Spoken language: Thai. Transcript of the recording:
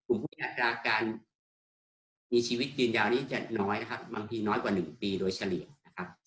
กลุ่มพุทธนาธารการมีชีวิตยืนยาวนี้จะน้อยนะครับบางทีน้อยกว่าหนึ่งปีโดยเฉลี่ยนะครับ